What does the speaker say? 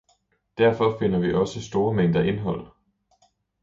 derfor finder vi også store mængder indhold